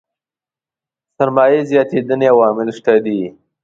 سرمايې زياتېدنې عوامل شته دي.